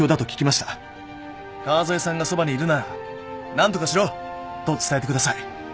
「川添さんがそばにいるなら何とかしろ！と伝えてください」